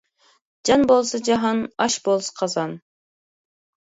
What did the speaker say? جان بولسا جاھان، ئاش بولسا قازان.